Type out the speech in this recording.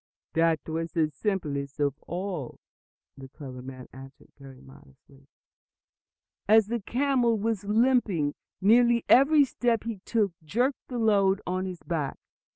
"That was the simplest of all," the clever man answered most modestly. "As the camel was limping, nearly every step he took jerked the load on his back.